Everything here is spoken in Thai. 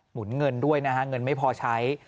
หนุนเงินด้วยนะฮะเงินไม่พอใช้